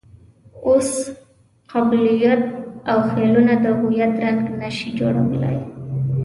اوس قبیلویت او خېلونه د هویت رنګ نه شي جوړولای.